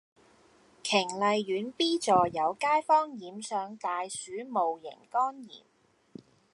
瓊麗苑 B 座有街坊染上大鼠戊型肝炎